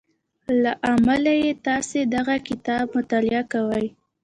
له امله يې تاسې دغه کتاب مطالعه کوئ.